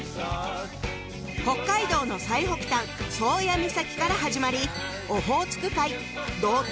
北海道の最北端「宗谷岬」から始まりオホーツク海道東